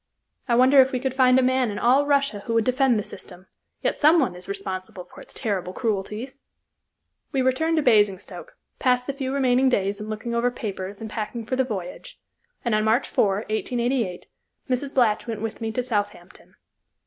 I wonder if we could find a man in all Russia who would defend the system, yet someone is responsible for its terrible cruelties! We returned to Basingstoke, passed the few remaining days in looking over papers and packing for the voyage, and, on March 4, 1888, Mrs. Blatch went with me to Southampton.